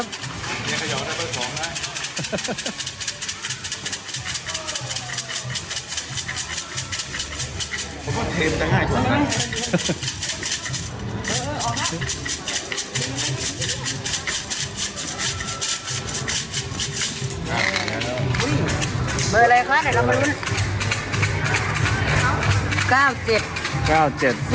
เบอร์ไล่ค่ะเดี๋ยวเรามารู้